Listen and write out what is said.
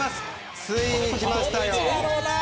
ついに、きましたよ。